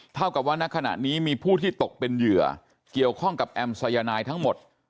เท่ากับว่าณขณะนี้มีผู้ที่ตกเป็นเหยื่อเกี่ยวข้องกับแอมสายนายทั้งหมด